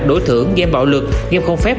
đối thưởng game bạo lực game không phép